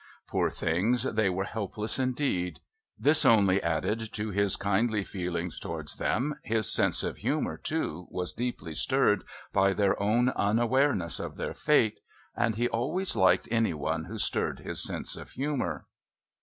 Poor things, they were helpless indeed! This only added to his kindly feelings towards them, his sense of humour, too, was deeply stirred by their own unawareness of their fate and he always liked any one who stirred his sense of humour.